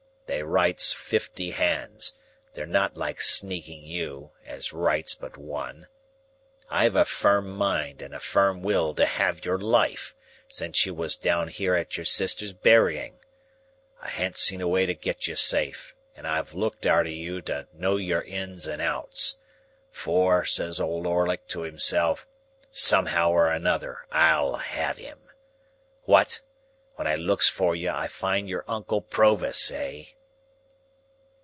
They writes fifty hands; they're not like sneaking you, as writes but one. I've had a firm mind and a firm will to have your life, since you was down here at your sister's burying. I han't seen a way to get you safe, and I've looked arter you to know your ins and outs. For, says Old Orlick to himself, 'Somehow or another I'll have him!' What! When I looks for you, I finds your uncle Provis, eh?"